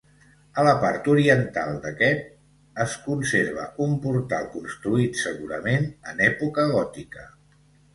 A la part oriental d'aquest es conserva un portal construït, segurament, en època gòtica.